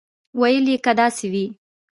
ویل یې که داسې وي.